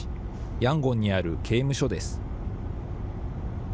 ヤンゴンにある刑務所です。